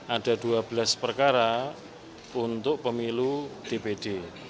ada dua belas perkara untuk pemilu dpd